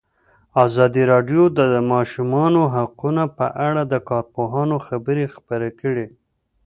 ازادي راډیو د د ماشومانو حقونه په اړه د کارپوهانو خبرې خپرې کړي.